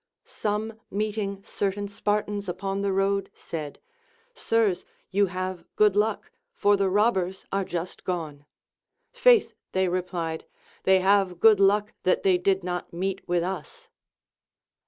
Some meeting certain Spartans upon the road said. Sirs, you have good luck, for the robbers are just gone. Faith, they replied, they have good luck that tliey did not meet with us.